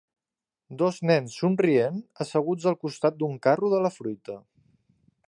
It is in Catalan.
Dos nens somrient asseguts al costat d'un carro de la fruita